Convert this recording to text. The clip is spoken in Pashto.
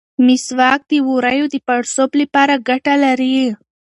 مسواک د ووریو د پړسوب لپاره ګټه لري.